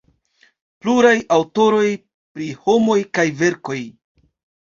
Pluraj aŭtoroj, Pri homoj kaj verkoj.